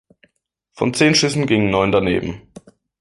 Von zehn Schüssen gingen neun daneben.